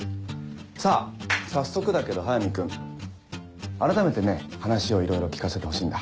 さぁ早速だけど早見君あらためてね話をいろいろ聞かせてほしいんだ。